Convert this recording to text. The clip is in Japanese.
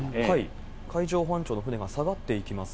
海上保安庁の船が下がっていきます。